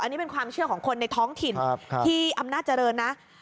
อันนี้เป็นความเชื่อของคนในท้องถิ่นที่อำนาจเจริญนะ